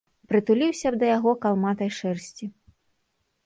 Прытуліўся б да яго калматай шэрсці.